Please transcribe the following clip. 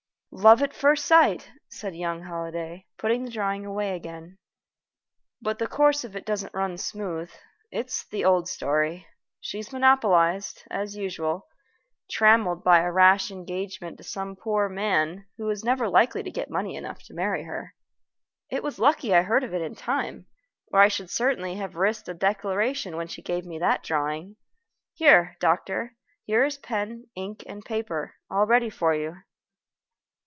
"Love at first sight," said young Holliday, putting the drawing away again. "But the course of it doesn't run smooth. It's the old story. She's monopolized, as usual; trammeled by a rash engagement to some poor man who is never likely to get money enough to marry her. It was lucky I heard of it in time, or I should certainly have risked a declaration when she gave me that drawing. Here, doctor, here is pen, ink, and paper all ready for you."